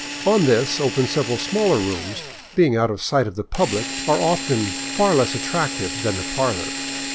On this open several smaller rooms which, being out of sight of the public, are often far less attractive than the parlor.